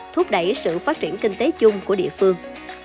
thúc đẩy sự phát triển kinh tế chung của địa phương